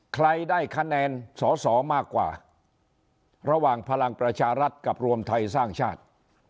ใครได้คะแนนสอสอมากกว่าระหว่างพลังประชารัฐกับรวมไทยสร้างชาติ